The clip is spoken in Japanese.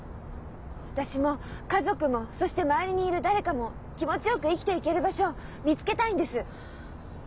私も家族もそして周りにいる誰かも気持ちよく生きていける場所見つけたいんです。